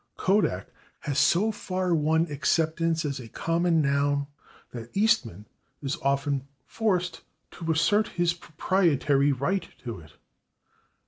/Kodak/ has so far won acceptance as a common noun that Eastman is often forced to assert his proprietary right to it.